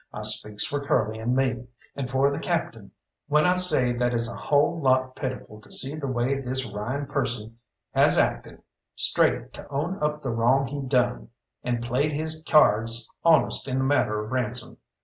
I speaks for Curly and me, and for the Captain, when I says that it's a hull lot pitiful to see the way this Ryan person has acted straight to own up the wrong he done, and played his cyards honest in the matter of ransom.